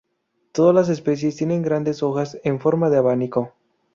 Todas las especies tienen grandes hojas en forma de abanico.